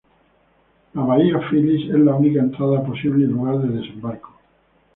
La bahía Phyllis es la única entrada y posible lugar de desembarco.